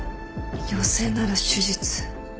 陽性なら手術。